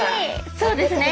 そうですね。